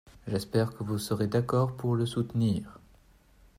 J’espère que vous serez d’accord pour le soutenir.